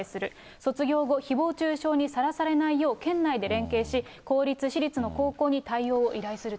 卒業後、ひぼう中傷にさらされないよう、県内で連携し、公立、私立の高校に対応を依頼すると。